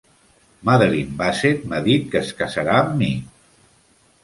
Madeline Bassett m'ha dit que es casarà amb mi!